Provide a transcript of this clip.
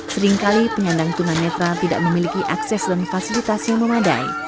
seringkali penyandang tunanetra tidak memiliki akses dan fasilitasi memadai